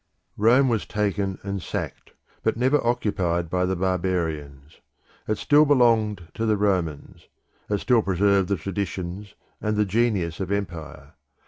Rome was taken and sacked but never occupied by the barbarians. It still belonged to the Romans: it still preserved the traditions and the genius of empire.